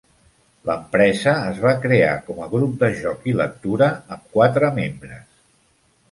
L'empresa es va crear com a "grup de joc i lectura" amb quatre membres.